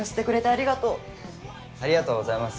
ありがとうございます。